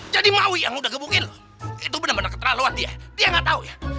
jadi mawi yang lo udah gebukin lo itu benar benar keterlaluan dia dia gak tau ya